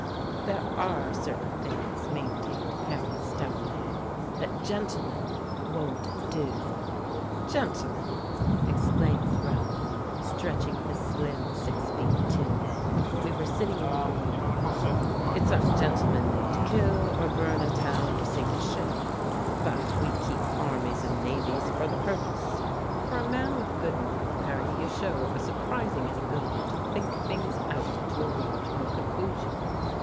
"There are certain things," maintained Perry, stoutly, "that gentlemen won't do." "Gentlemen!" exclaimed Ralph, stretching his slim six feet two: We were sitting in the Boyne Club. "It's ungentlemanly to kill, or burn a town or sink a ship, but we keep armies and navies for the purpose. For a man with a good mind, Perry, you show a surprising inability to think things, out to a logical conclusion.